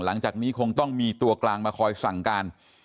หลังจากนี้คงต้องมีตัวกลางมาคอยสั่งการ